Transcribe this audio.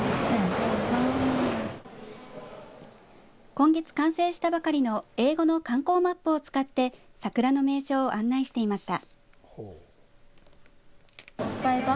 今月完成したばかりの英語の観光マップを使って桜の名所を案内していました。